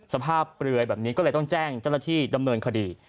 เปลือยแบบนี้ก็เลยต้องแจ้งเจ้าหน้าที่ดำเนินคดี